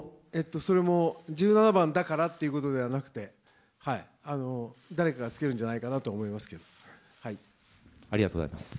それも、１７番だからということではなくて、誰かがつけるんじゃないかなありがとうございます。